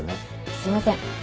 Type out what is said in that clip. すいません。